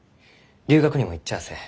留学にも行っちゃあせん。